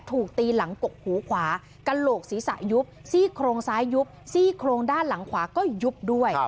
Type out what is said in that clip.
ถูกตีหลังกกหูขวากระโหลกศีรษะยุบซี่โครงซ้ายยุบซี่โครงด้านหลังขวาก็ยุบด้วย